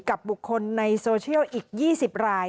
กับบุคคลในโซเชียลอีกยี่สิบราย